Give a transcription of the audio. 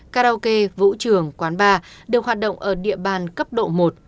karaoke vũ trường quán bar được hoạt động ở địa bàn cấp độ một